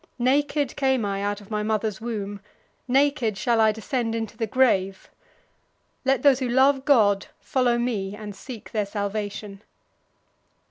Naked came I out of my mother's womb, naked shall I descend into the grave. Let those who love God follow me and seek their salvation."